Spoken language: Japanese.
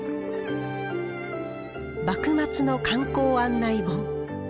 幕末の観光案内本。